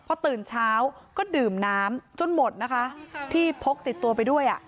พอตื่นเช้าก็ดื่มน้ำจนหมดนะคะที่พกติดตัวไปด้วย